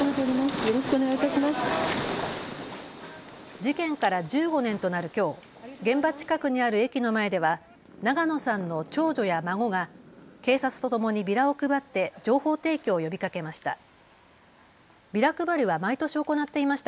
事件から１５年となるきょう、現場近くにある駅の前では永野さんの長女や孫が警察とともにビラを配って情報提供を呼びかけました。